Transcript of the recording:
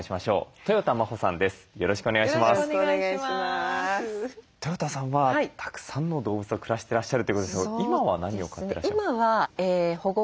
とよたさんはたくさんの動物と暮らしてらっしゃるということですけど今は何を飼ってらっしゃるんですか？